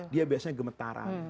dia biasanya gemetaran